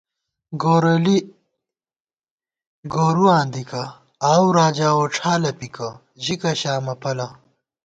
گوریلی گورُواں دِکہ ، آؤو راجا ووڄھالہ پِکہ ژِکہ شامہ پَلہ